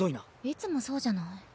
いつもそうじゃない。